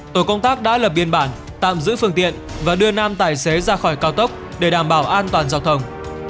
tổ công tác đã lập biên bản tạm giữ phương tiện và đưa nam tài xế ra khỏi cao tốc để đảm bảo an toàn giao thông